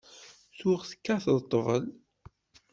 Tuɣ tekkateḍ ṭṭbel.